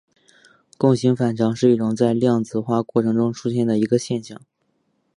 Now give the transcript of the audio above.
共形反常是一种在量子化过程中出现的一个现象。